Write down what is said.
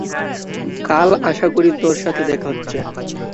কাল আশা করি তোর সাথে দেখা হচ্ছে!